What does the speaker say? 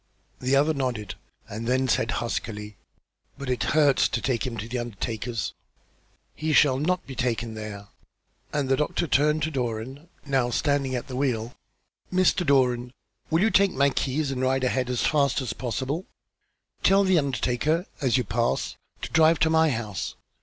The other nodded, and then said huskily: "But it hurts to take him to an undertaker's!" "He shall not be taken there," and the doctor turned to Doran, now standing at the wheel. "Mr. Doran, will you take my keys and ride ahead as fast as possible? Tell the undertaker, as you pass, to drive to my house.